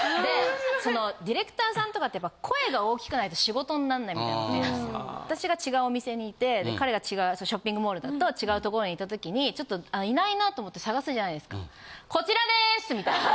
そのディレクターさんとかってやっぱ声が大きくないと仕事になんないみたいな私が違うお店にいて彼が違うショッピングモールだと違う所にいた時にちょっといないなと思って捜すじゃないですか。